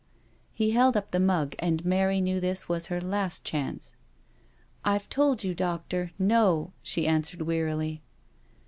He held up the mug, and Mary knew this was her last chance. "I've told you, doctor, no,*' she answered wearily.